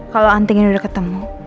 kalau anting ini udah ketemu